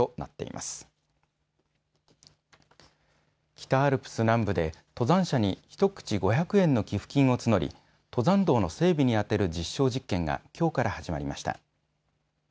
北アルプス南部で登山者に１口５００円の寄付金を募り登山道の整備に充てる実証実験がきょうから始まりました。